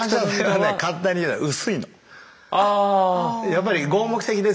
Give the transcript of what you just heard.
やっぱり合目的ですよね。